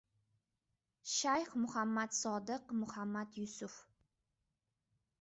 Shayx Muhammad Sodiq Muhammad Yusuf